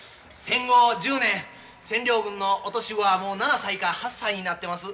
戦後１０年占領軍の落とし子はもう７歳か８歳になってます。